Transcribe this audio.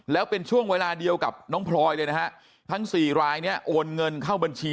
แล้วเป็นช่วงเวลาเดียวกับน้องพลอยเลยนะฮะทั้งสี่รายเนี่ยโอนเงินเข้าบัญชี